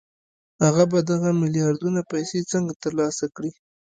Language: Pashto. هغه به دغه ميلياردونه پيسې څنګه ترلاسه کړي؟